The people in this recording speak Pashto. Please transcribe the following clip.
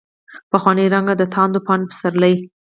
پخوانی رنګ، دتاندو پاڼو پسرلي